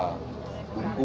dan diskusi kesehatan mussur